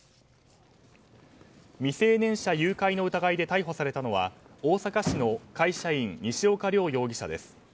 未成年者誘拐の疑いで逮捕されたのは大阪市の会社員西岡良容疑者です。